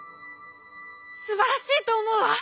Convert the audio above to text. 「すばらしいと思うわ！」。